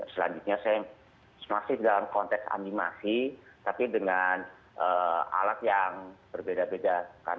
selanjutnya saya masih dalam konteks animasi tapi dengan alat yang berbeda beda